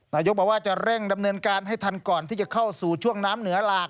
นายกบอกว่าจะเร่งดำเนินการให้ทันก่อนที่จะเข้าสู่ช่วงน้ำเหนือหลาก